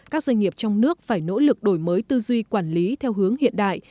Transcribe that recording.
các doanh nghiệp trong nước phải nỗ lực đổi mới tư duy quản lý theo hướng hiện đại